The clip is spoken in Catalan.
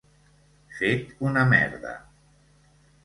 Fet una merda.